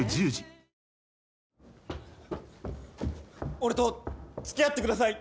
俺と付き合ってください。